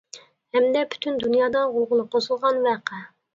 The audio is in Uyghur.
ھەمدە پۈتۈن دۇنيادا غۇلغۇلا قوزغىغان ۋەقە.